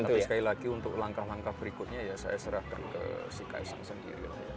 tapi sekali lagi untuk langkah langkah berikutnya ya saya serahkan ke si kaisang sendiri